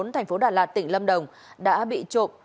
thành phố đà lạt tỉnh lâm đồng đã bị trộm